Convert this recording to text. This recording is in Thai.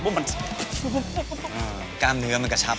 กำเนื้อมันกระชับ